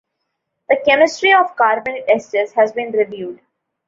The chemistry of carbonate esters has been reviewed.